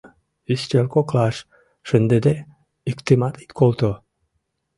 — Ӱстел коклаш шындыде, иктымат ит колто!